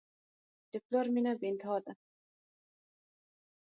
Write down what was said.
د پلار مینه بېانتها ده.